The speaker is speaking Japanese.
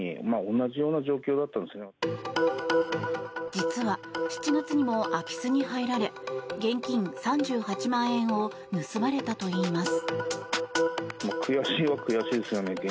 実は、７月にも空き巣に入られ現金３８万円を盗まれたといいます。